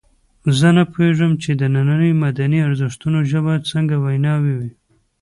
زه نه پوهېږم چې د نننیو مدني ارزښتونو ژبه څنګه وینا وي.